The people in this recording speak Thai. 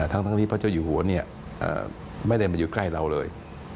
ทั้งที่พระเจ้าอยู่หัวไม่ได้มาอยู่ใกล้เราเลย